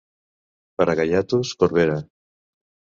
Per a gaiatos, Corbera.